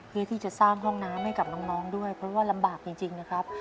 เพื่อที่จะสร้างห้องน้ำให้กับน้องด้วยเพราะว่าลำบากจริงนะครับ